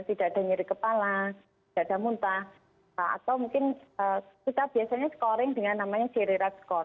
tidak ada nyeri kepala tidak ada muntah atau mungkin kita biasanya scoring dengan namanya jerry rate score